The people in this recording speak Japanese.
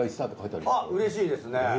あっうれしいですね。